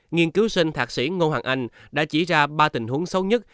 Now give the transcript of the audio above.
nghiên cứu sinh thạc sĩ ngô hoàng anh đã chỉ ra ba tình huống xấu nhất